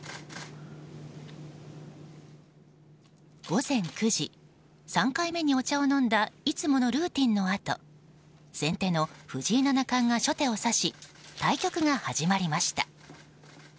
午前９時、３回目にお茶を飲んだいつものルーティンのあと先手の藤井七冠が初手を指し対局が始まりました。